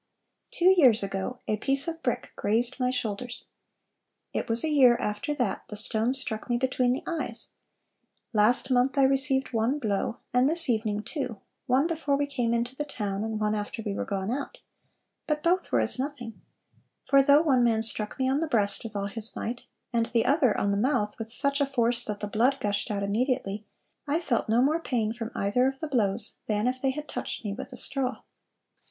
Two years ago, a piece of brick grazed my shoulders. It was a year after that the stone struck me between the eyes. Last month I received one blow, and this evening two, one before we came into the town, and one after we were gone out; but both were as nothing: for though one man struck me on the breast with all his might, and the other on the mouth with such a force that the blood gushed out immediately, I felt no more pain from either of the blows than if they had touched me with a straw."